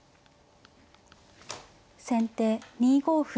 先手２五歩。